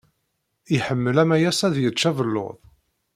Iḥemmel Amayas ad yečč abelluḍ.